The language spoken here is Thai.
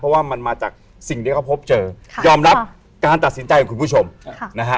เพราะว่ามันมาจากสิ่งที่เขาพบเจอยอมรับการตัดสินใจของคุณผู้ชมนะฮะ